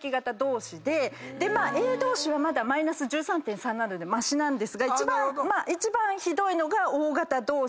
Ａ同士はマイナス１３．３なのでましなんですが一番ひどいのがＯ型同士。